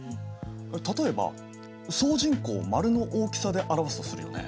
例えば総人口を丸の大きさで表すとするよね。